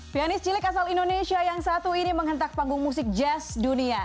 pianis cilik asal indonesia yang satu ini menghentak panggung musik jazz dunia